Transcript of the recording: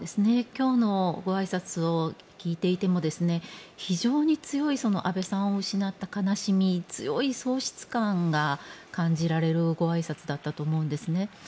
今日のごあいさつを聞いていても非常に強い安倍さんを失った悲しみ強い喪失感が感じられるごあいさつだったと思うんですね。